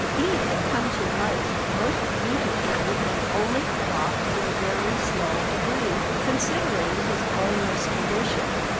He had come to life most beautifully and only flopped in a very small degree, considering his boneless condition.